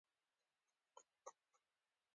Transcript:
راځه ډوډۍ وخورو.